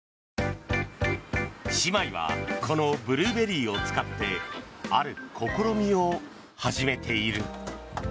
姉妹はこのブルーベリーを使ってある試みを始めている。